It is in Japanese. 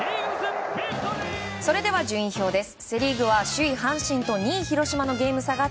それでは順位表です。